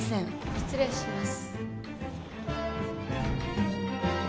失礼します